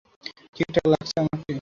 ঠিকঠাক লাগছে আমাকে?